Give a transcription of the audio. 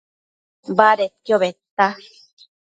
Badedquio bëdta